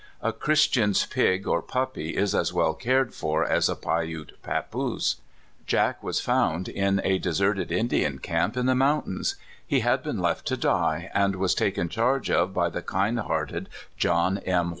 A Christian's pig or puppy is as well cared for as a Piute papoose. Jack was found in a deserted Indian camp in the mountains. He had been left to die, and was taken charge of by the kind hearted John M.